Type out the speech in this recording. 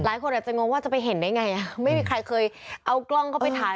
หลายคนอาจจะงงว่าจะไปเห็นได้ไงไม่มีใครเคยเอากล้องเข้าไปถ่าย